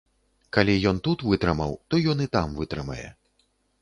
Калі ён тут вытрымаў, то ён і там вытрымае.